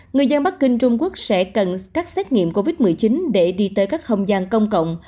người dân bắc kinh trung quốc sẽ cần các xét nghiệm covid một mươi chín để đi tới các không gian công cộng